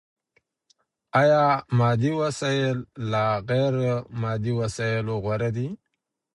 ايا مادي وسايل له غير مادي وسايلو غوره دي؟